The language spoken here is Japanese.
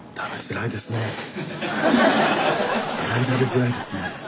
えらい食べづらいですね。